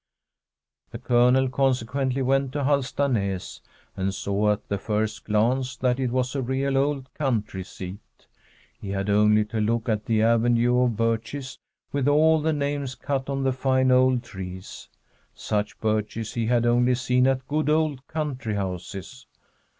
The Colonel consequently went to Halstanas, and saw at the first glance that it was a real old country seat. He had only to look at the avenue of birches with all the names cut on the fine old trees. Such birches he had only seen at good old country houses.